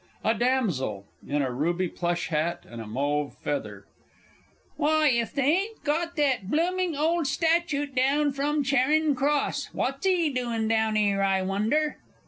_ A DAMSEL (in a ruby plush hat with a mauve feather). Why, if they yn't got that bloomin' ole statute down from Charin' Cross! What's 'e doin' of down 'ere, I wonder?